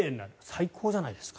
最高じゃないですか。